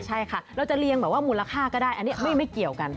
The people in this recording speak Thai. ใช่ค่ะเราจะเรียงแบบว่ามูลค่าก็ได้อันนี้ไม่เกี่ยวกัน